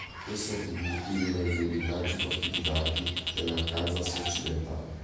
Questa tribù viveva in dei villaggi fortificati nell'Arkansas occidentale.